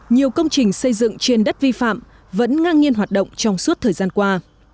nhiều công trình xây dựng trên đất vi phạm vẫn ngang nhiên hoạt động trong suốt thời gian qua